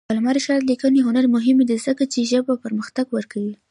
د علامه رشاد لیکنی هنر مهم دی ځکه چې ژبه پرمختګ ورکوي.